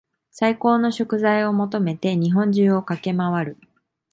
最高の食材を求めて日本中を駆け回る